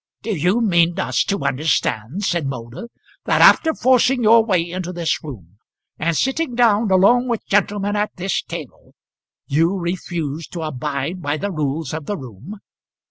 "Do you mean us to understand," said Moulder, "that after forcing your way into this room, and sitting down along with gentlemen at this table, you refuse to abide by the rules of the room?"